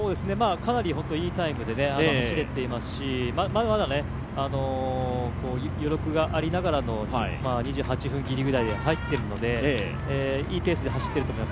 かなりいろいろタイムで走れていますし、まだまだ余力がありながらの２８分ぎりぐらいで入っているのでいいペースで入っていると思います。